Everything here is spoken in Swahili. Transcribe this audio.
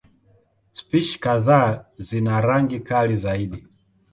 Spishi kadhaa zina rangi kali zaidi.